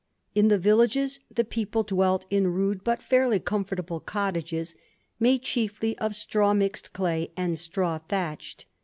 In the villages, the people dwelt in rude but fisdrly comfortable cottages, made chiefly of straw mixed clay, and straw thatched.